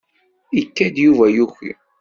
Ikad-d Yuba yuki.